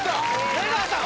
瀬川さん